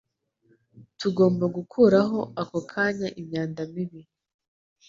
Tugomba gukuraho ako kanya imyanda mibi.